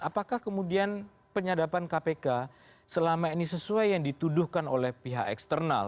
apakah kemudian penyadapan kpk selama ini sesuai yang dituduhkan oleh pihak eksternal